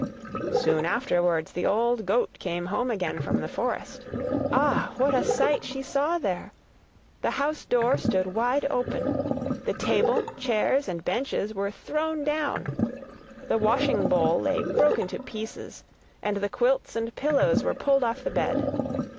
Soon afterwards the old goat came home again from the forest. Ah! what a sight she saw there! The house door stood wide open. The table, chairs, and benches were thrown down, the washing bowl lay broken to pieces, and the quilts and pillows were pulled off the bed.